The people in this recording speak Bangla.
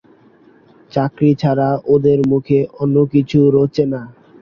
চাকরি ছাড়া ওদের মুখে অন্য কিছু রোছে না।